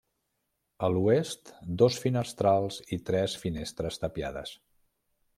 A l'oest dos finestrals i tres finestres tapiades.